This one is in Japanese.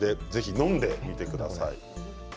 ぜひ飲んでみてください。